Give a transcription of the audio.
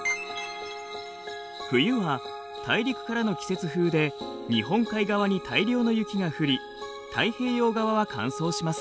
冬は大陸からの季節風で日本海側に大量の雪が降り太平洋側は乾燥します。